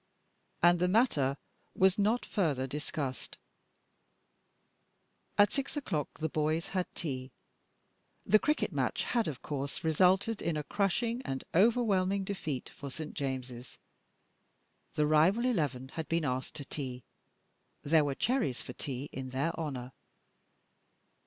And the matter was not further discussed. At six o'clock the boys had tea. The cricket match had, of course, resulted in a crushing and overwhelming defeat for St. James's. The rival eleven had been asked to tea; there were cherries for tea in their honour.